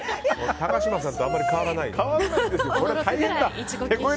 高嶋さんとあまり変わらない。